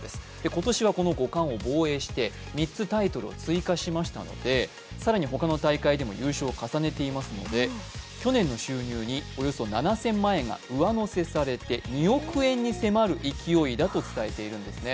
今年はこの五冠を防衛して３つタイトルを追加しましたので、更に他の大会でも優勝を重ねていますので、去年の収入におよそ７０００万円が上乗せされて２億円に迫る勢いだということです。